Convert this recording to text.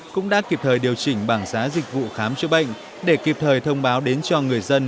cũng đã kịp thời điều chỉnh bảng giá dịch vụ khám chữa bệnh để kịp thời thông báo đến cho người dân